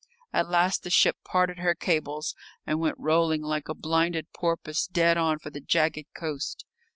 At last the ship parted her cables and went rolling like a blinded porpoise dead on for the jagged coast.